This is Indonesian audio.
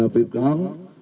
ada pip kang